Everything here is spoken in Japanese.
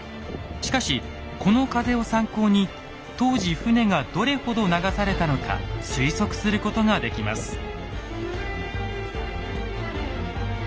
しかしこの風を参考に当時船がどれほど流されたのか推測することができます。